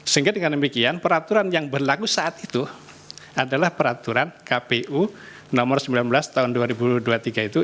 sehingga dengan demikian peraturan yang berlaku saat itu adalah peraturan kpu nomor sembilan belas tahun dua ribu dua puluh tiga itu